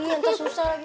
iya entah susah lagi